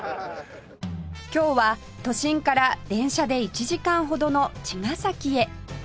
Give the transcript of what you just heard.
今日は都心から電車で１時間ほどの茅ヶ崎へ